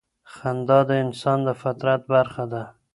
خندا د انسان د فطرت برخه ده.